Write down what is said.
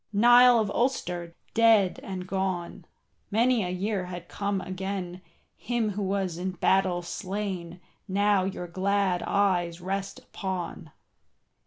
Niall of Ulster, dead and gone, Many a year had come again, Him who was in battle slain Now your glad eyes rest upon.